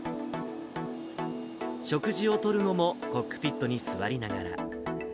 食事をとるのもコックピットに座りながら。